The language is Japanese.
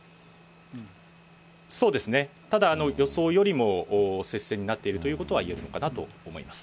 そうですね、ただ予想よりも接戦になっているということは言えるかなと思いま